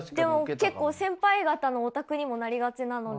結構先輩方のオタクにもなりがちなので。